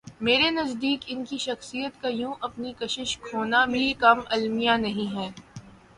میرے نزدیک ان کی شخصیت کا یوں اپنی کشش کھونا بھی کم المیہ نہیں ہے۔